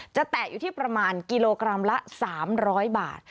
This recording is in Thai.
แตะอยู่ที่ประมาณกิโลกรัมละ๓๐๐บาท